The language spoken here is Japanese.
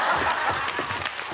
ハハハハ！